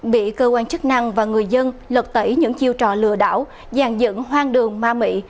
bị cơ quan chức năng và người dân lật tẩy những chiêu trò lừa đảo giàn dựng hoang đường ma mị